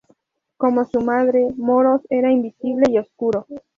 Como su madre, Moros era invisible y oscuro.